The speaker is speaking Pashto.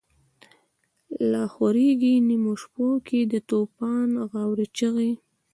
لاخوریږی نیمو شپو کی، دتوفان غاوری چیغی